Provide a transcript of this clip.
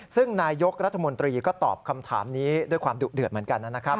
ซึ่งนายกรัฐมนตรีก็ตอบคำถามนี้ด้วยความดุเดือดเหมือนกันนะครับ